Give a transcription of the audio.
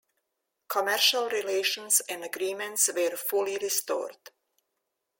Commercial relations and agreements were fully restored.